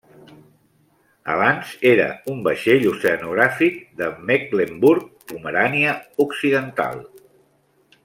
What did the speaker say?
Abans era un Vaixell oceanogràfic de Mecklenburg-Pomerània Occidental.